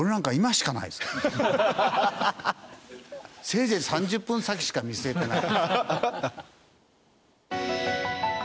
せいぜい３０分先しか見据えてない。